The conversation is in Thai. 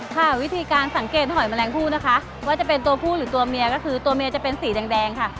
ค่ะวิธีการสังเกตหอยแมลงผู้นะคะว่าจะเป็นตัวผู้หรือตัวเมียก็คือตัวเมียจะเป็นสีแดงค่ะ